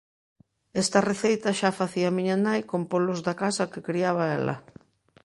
Esta receita xa a facía miña nai con polos da casa que criaba ela.